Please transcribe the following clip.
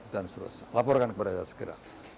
dan terus laporkan kepada saya segera